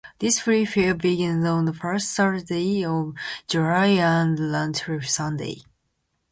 This free fair begins on the first Thursday of July and runs through Sunday.